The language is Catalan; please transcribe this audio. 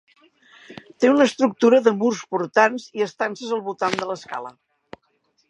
Té una estructura de murs portants i estances al voltant de l'escala.